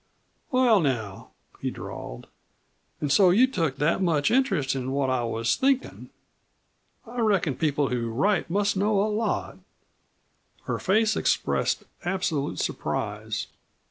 "Well, now," he drawled. "An' so you took that much interest in what I was thinkin'! I reckon people who write must know a lot." Her face expressed absolute surprise.